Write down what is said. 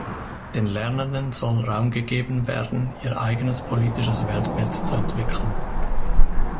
Den Lernenden soll Raum gegeben werden, ihr eigenes politisches Weltbild zu entwickeln.